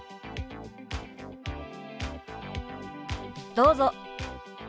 どうぞ。